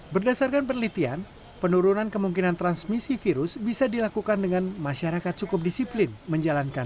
berdasarkan penelitian penurunan kemungkinan transmisi virus bisa dilakukan dengan masyarakat cukup disiplin menjalankan